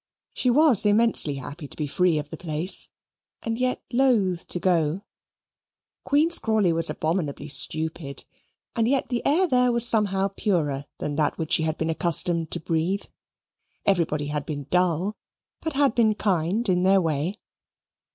She was immensely happy to be free of the place, and yet loath to go. Queen's Crawley was abominably stupid, and yet the air there was somehow purer than that which she had been accustomed to breathe. Everybody had been dull, but had been kind in their way.